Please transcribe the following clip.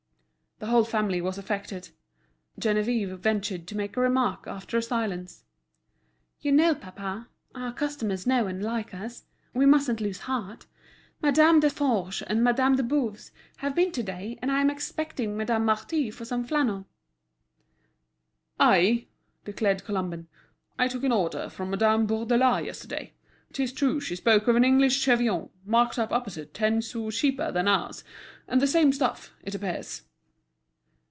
The whole family was affected. Geneviève ventured to make a remark after a silence: "You know, papa, our customers know and like us. We mustn't lose heart. Madame Desforges and Madame de Boves have been to day, and I am expecting Madame Marty for some flannel." "I," declared Colomban, "I took an order from Madame Bourdelais yesterday. 'Tis true she spoke of an English cheviot marked up opposite ten sous cheaper than ours, and the same stuff, it appears."